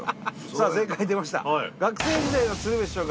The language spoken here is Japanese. さあ正解出ました。